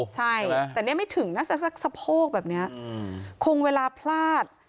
ใช่แต่นี่ไม่ถึงนะสักสะโพกแบบนี้คงเวลาพลาด